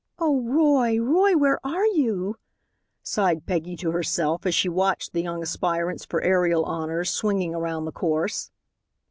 "Oh, Roy! Roy, where are you?" sighed Peggy to herself, as she watched the young aspirants for aerial honors swinging around the course.